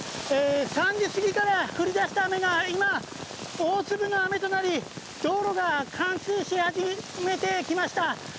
３時過ぎから降り出した雨が今、大粒の雨となり道路が冠水し始めてきました。